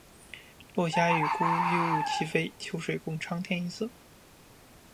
落霞与孤鹜齐飞，秋水共长天一色